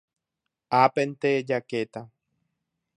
ápente jakéta